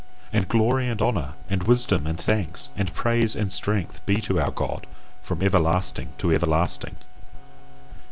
And glory and honour and wisdom and thanks and praise and strength be to our God, from everlasting to everlasting!